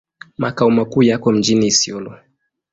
Makao makuu yako mjini Isiolo.